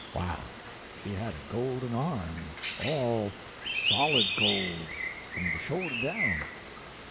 Well, she had a golden arm all solid gold, fum de shoulder down.